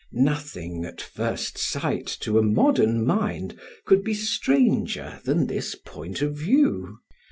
Nothing, at first sight, to a modern mind, could, be stranger than this point of view.